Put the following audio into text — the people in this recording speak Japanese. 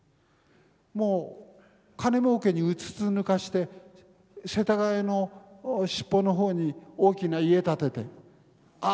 もう金もうけにうつつ抜かして世田谷の尻尾の方に大きな家建ててああ